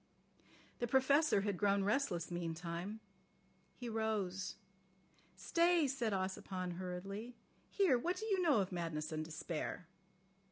The Professor had grown restless meantime. He rose. "Stay," said Ossipon hurriedly. "Here, what do you know of madness and despair?"